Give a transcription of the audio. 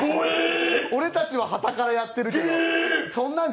俺たちは傍からやってるけど。